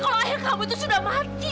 kalau ayah kamu itu sudah mati